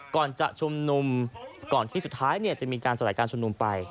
ก่อนที่สุดท้ายจะมีการสลายการชมนุมไป